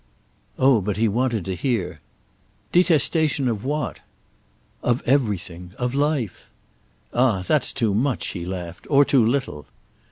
Oh but he wanted to hear. "Detestation of what?" "Of everything—of life." "Ah that's too much," he laughed—"or too little!"